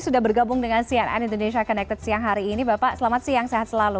sudah bergabung dengan cnn indonesia connected siang hari ini bapak selamat siang sehat selalu